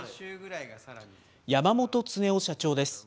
山本恒夫社長です。